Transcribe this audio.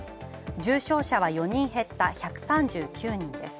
重症者は４人減った１３９人です。